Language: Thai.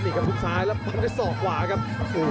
นี่ครับตรงซ้ายแล้วมันขึ้นไป๒ขวาครับโอ้โห